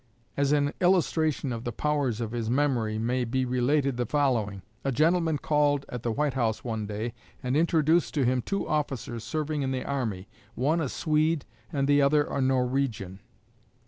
As an illustration of the powers of his memory, may be related the following: A gentleman called at the White House one day, and introduced to him two officers serving in the army, one a Swede and the other a Norwegian.